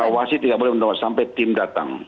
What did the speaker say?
pak wasi tidak boleh menunggu sampai tim datang